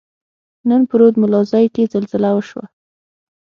نن په رود ملازۍ کښي زلزله وشوه.